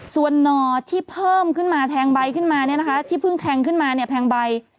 ส่วนหน่อที่เพิ่มขึ้นมาแทงใบขึ้นมาเนี่ยนะคะที่เพิ่งแทงขึ้นมาเนี่ยแพงใบ